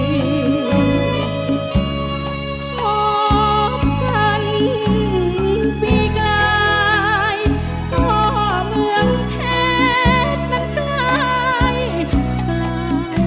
พบกันปีไกลก็เมืองเพชรมันไกล